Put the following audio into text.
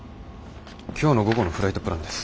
今日の午後のフライトプランです。